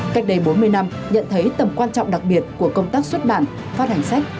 cách đây bốn mươi năm nhận thấy tầm quan trọng đặc biệt của công tác xuất bản phát hành sách